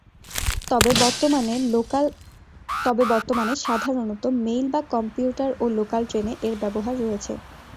তবে বর্তমানে সাধারণত মেইল/কমিউটার ও লোকাল ট্রেনে এর ব্যবহার রয়েছে।